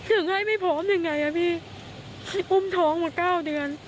อุ้มท้องมา๙เดือน